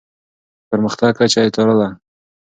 د پرمختګ کچه يې څارله.